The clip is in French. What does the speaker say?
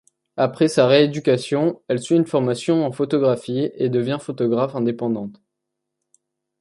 Après sa rééducation, elle suit une formation en photographie et devient photographe indépendante.